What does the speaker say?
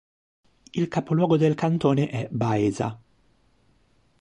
Il capoluogo del cantone è Baeza.